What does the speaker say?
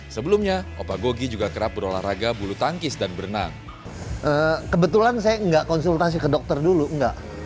sebelumnya opa gogi juga kerap berolahraga bulu tangkis dan berenang